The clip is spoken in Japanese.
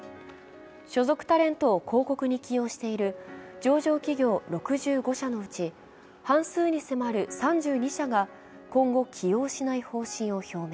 所属タレントを広告に起用している上場企業６５社のうち、半数に迫る３２社が今後起用しない方針を表明。